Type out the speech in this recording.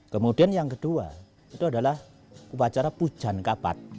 kemudian yang kedua itu adalah upacara pujan kapat